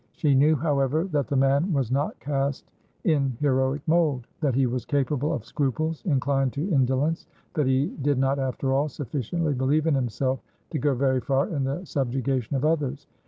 She knew, however, that the man was not cast in heroic mould; that he was capable of scruples, inclined to indolence; that he did not, after all, sufficiently believe in himself to go very far in the subjugation of others.